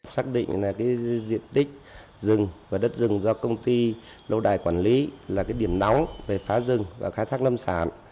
xác định diện tích rừng và đất rừng do công ty lâu đài quản lý là điểm nóng về phá rừng và khai thác lâm sản